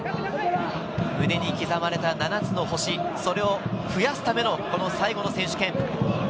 胸に刻まれた７つの星、それを増やすための、この最後の選手権。